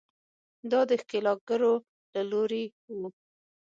دا د ښکېلاکګرو له لوري وو.